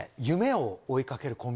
夢を追いかける